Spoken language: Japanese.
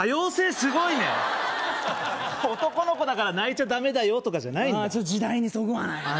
すごいね男の子だから泣いちゃダメだよとかじゃないんだ時代にそぐわないああ